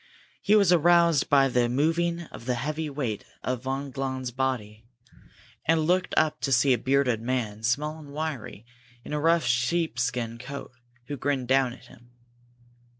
He was aroused by the moving of the heavy weight of von Glahn's body, and looked up to see a bearded man, small and wiry, in a rough sheepskin coat, who grinned down at him.